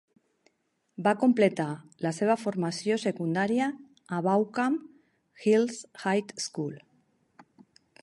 Va completar la seva formació secundària a Baulkham Hills High School.